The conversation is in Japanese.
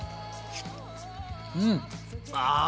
うん！